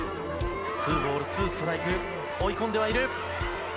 ２ボール２ストライク追い込んではいる。